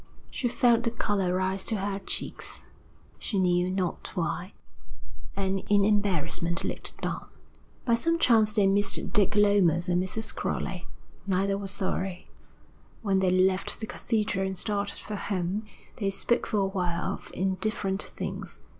She felt the colour rise to her cheeks, she knew not why, and in embarrassment looked down. By some chance they missed Dick Lomas and Mrs. Crowley. Neither was sorry. When they left the cathedral and started for home, they spoke for a while of indifferent things.